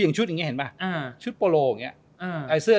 มีชุดยังไงชุดโปรโลบูลด์